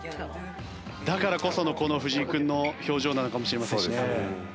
だからこそのこの藤井君の表情なのかもしれませんしね。